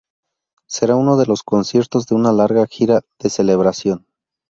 Será uno de los conciertos de una larga gira de celebración.